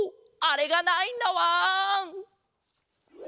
あれがないんだわん！